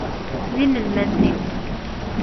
D inelmaden-iw.